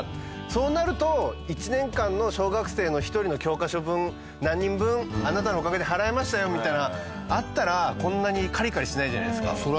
そうなると１年間の小学生の１人の教科書分何人分あなたのおかげで払えましたよみたいなのがあったらこんなにカリカリしないじゃないですか。